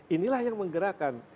inilah yang menggerakkan